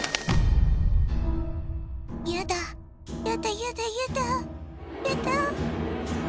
やだやだやだやだやだ。